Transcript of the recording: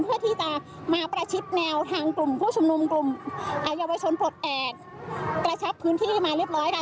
เพื่อที่จะมาประชิดแนวทางกลุ่มผู้ชุมนุมกลุ่มเยาวชนปลดแอบกระชับพื้นที่มาเรียบร้อยค่ะ